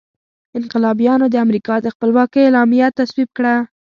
انقلابیانو د امریکا د خپلواکۍ اعلامیه تصویب کړه.